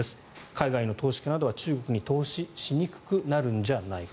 海外の投資家などは中国に投資しにくくなるんじゃないか。